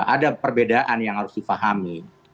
ada perbedaan yang harus difahami